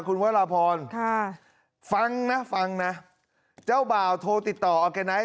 คุณวราพรค่ะฟังนะฟังนะเจ้าบ่าวโทรติดต่อออร์แกไนท